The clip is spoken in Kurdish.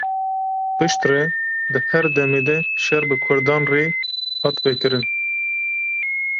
Piştre, di her demê de şer bi kurdan rê hat kirin.